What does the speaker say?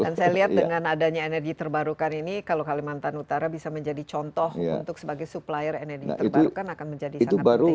dan saya lihat dengan adanya energi terbarukan ini kalau kalimantan utara bisa menjadi contoh untuk sebagai supplier energi terbarukan akan menjadi sangat penting